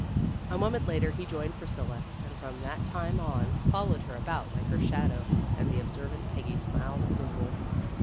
A moment later he joined Priscilla, and from that time on followed her about like her shadow, and the observant Peggy smiled ap proval.